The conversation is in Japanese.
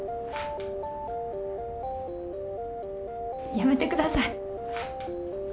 やめてください。